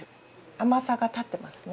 甘さが立ってますね。